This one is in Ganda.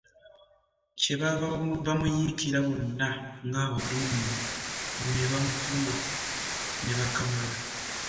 Kye baava bamuyiikira bonna ng'abadduumire ne bamuvuma ne bakamala.